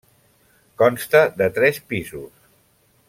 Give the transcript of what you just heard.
Consta de tres pisos.